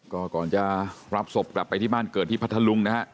ก็ก่อนจะรับศพกลับไปที่บ้านเกิดที่พัทธลุงนะฮะ